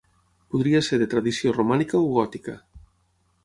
Podria ser de tradició romànica o gòtica.